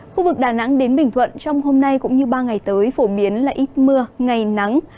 khu vực đà nẵng đến bình thuận trong hôm nay cũng như ba ngày tới phổ biến là ít mưa ngày nắng